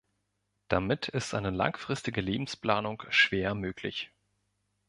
Damit ist eine langfristige Lebensplanung schwer möglich.